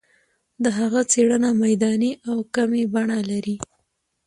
د هغه څېړنه میداني او کمي بڼه لري.